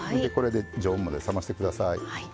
常温まで冷ましてください。